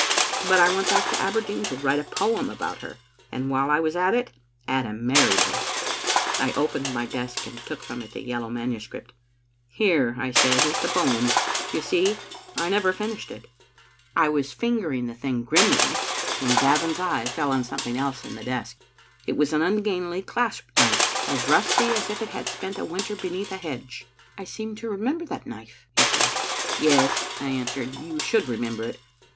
But I went back to Aberdeen to write a poem about her, and while I was at it Adam married her." I opened my desk and took from it a yellow manu script. " Here," I said, " is the poem. You see, I never fin ished it." I was fingering the thing grimly when Gavin's eye Digitized by VjOOQ IC d02 tcbe xmie Ainfaten fell on something else in the desk. It was an ungainly clasp knife, as rusty as if it had spent a winter beneath a hedge. " I seem to remember that knife," he said. "Yes," I answered, you should remember it.